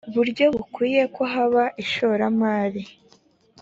buryo bukwiye ko haba ishoramari